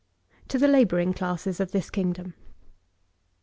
TO THE LABOURING CLASSES OF THIS KINGDOM.